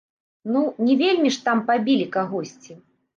Ну, не вельмі ж там пабілі кагосьці.